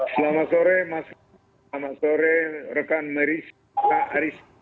selamat sore mas selamat sore rekan meris pak aris